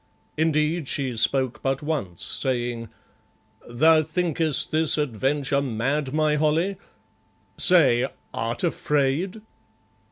Indeed, she spoke but once, saying "Thou thinkest this adventure mad, my Holly? Say, art afraid?"